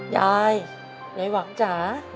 ยายไหนหวังจ๊ะ